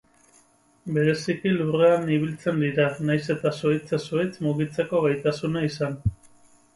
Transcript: Bereziki lurrean ibiltzen dira, nahiz eta zuhaitzez-zuhaitz mugitzeko gaitasuna izan.